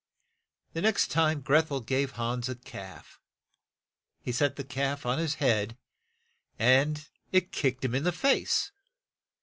The next time Greth el gave Hans a calf. He set the calf on his head, and it kicked him in the face.